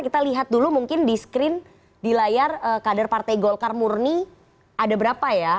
kita lihat dulu mungkin di screen di layar kader partai golkar murni ada berapa ya